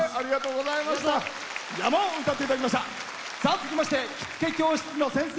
続きまして着付け教室の先生。